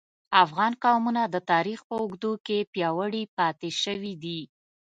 افغان قومونه د تاریخ په اوږدو کې پیاوړي پاتې شوي دي